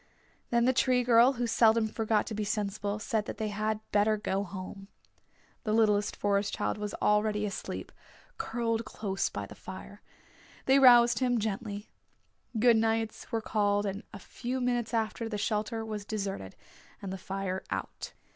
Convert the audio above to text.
Then the Tree Girl, who seldom forgot to be sensible, said they had better go home. The littlest Forest Child was already asleep, curled close by the fire. They roused him gently. Good nights were called and a few minutes after, the shelter was deserted, and the fire out.